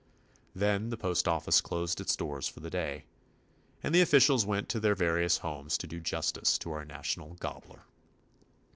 Then the post office closed its doors for the day, and the officials went to their various homes to do justice to our national "gobbler."